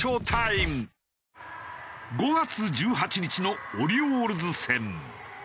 ５月１８日のオリオールズ戦。